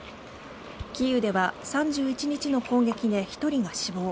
キーウでは３１日の攻撃で１人が死亡。